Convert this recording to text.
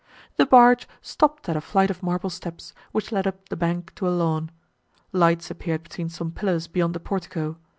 The barge stopped at a flight of marble steps, which led up the bank to a lawn. Lights appeared between some pillars beyond the portico.